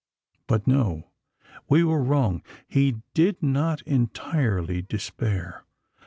But, no—we were wrong: he did not entirely despair.